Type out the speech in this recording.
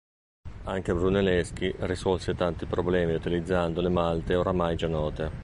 Anche Brunelleschi risolse tanti problemi utilizzando le malte oramai già note.